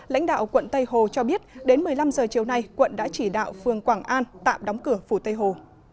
lãnh đạo quận tây hồ cho biết đến một mươi năm giờ chiều nay quận đã chỉ đạo phường quảng an tạm đóng cửa phủ tây hồ